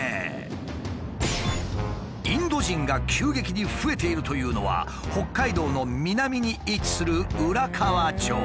インド人が急激に増えているというのは北海道の南に位置する浦河町。